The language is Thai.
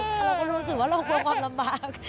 เราก็รู้สึกว่าเรากลัวความลำบาก